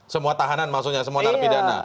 semua tahanan maksudnya semua terapi dana